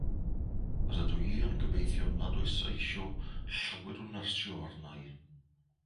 Yr ydw i yn gobeithio nad oes eisio llawer o nyrsio arna i.